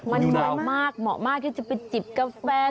มันเหมาะมากที่จะไปจิบกาแฟ